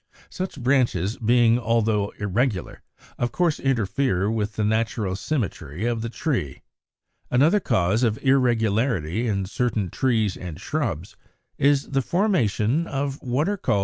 Such branches, being altogether irregular, of course interfere with the natural symmetry of the tree. Another cause of irregularity, in certain trees and shrubs, is the formation of what are called [Illustration: Fig.